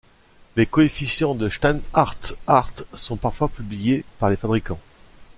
Les coefficients de Steinhart–Hart sont parfois publiés par les fabricants.